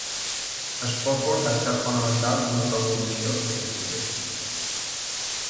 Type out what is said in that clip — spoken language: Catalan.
Spofford ha estat fonamental en la promulgació d'aquesta llei.